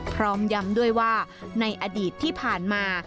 พร้อมย้ำด้วยว่าในอดีตที่ผ่านมา